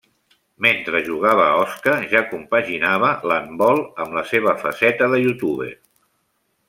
Mentre jugava a Osca ja compaginava l'handbol amb la seva faceta de youtuber.